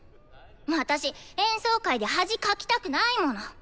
私演奏会で恥かきたくないもの！